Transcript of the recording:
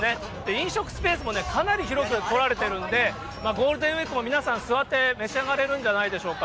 飲食スペースもね、かなり広く取られてるんで、ゴールデンウィークも皆さん、座って召し上がれるんじゃないでしょうか。